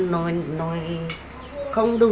nói nói nói không đủ